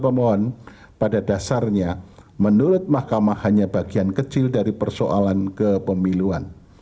pemohon pada dasarnya menurut mahkamah hanya bagian kecil dari persoalan kepemiluan